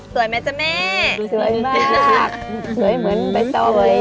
ไหมจ๊ะแม่สวยมากสวยเหมือนใบตอย